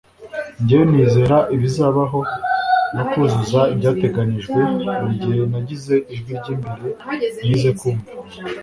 njyewe nizera ibizabaho no kuzuza ibyateganijwe. buri gihe nagize ijwi ry'imbere nize kumva